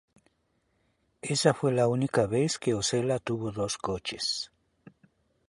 Esa fue la única vez que Osella tuvo dos coches.